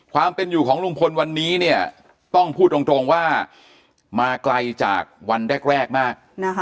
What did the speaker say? ความเป็นอยู่ของลุงพลวันนี้เนี่ยต้องพูดตรงว่ามาไกลจากวันแรกมาก